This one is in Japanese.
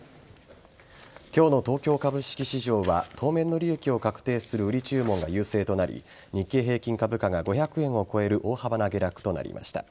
今日の東京株式市場は当面の利益を確定する売り注文が優勢となり日経平均株価が５００円を超える大幅な下落となりました。